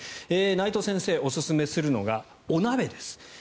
内藤先生がおすすめするのがお鍋です。